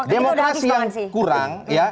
demokrasi yang kurang ya